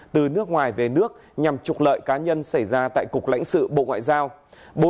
từ nước ngoài về nước nhằm trục lợi cá nhân xảy ra tại cục lãnh sự bộ ngoại giao